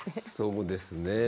そうですね。